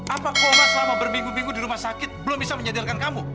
apa koma selama berminggu minggu di rumah sakit belum bisa menyadarkan kamu